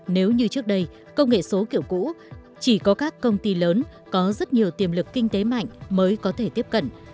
nếu như trước đây công nghệ số kiểu cũ chỉ có các công ty lớn có rất nhiều tiềm lực kinh tế mạnh mới có thể tiếp cận